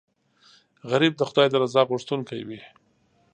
غریب د خدای د رضا غوښتونکی وي